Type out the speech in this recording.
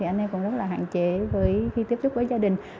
anh em cũng rất là hạn chế khi tiếp xúc với gia đình